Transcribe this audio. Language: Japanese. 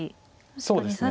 そうですね。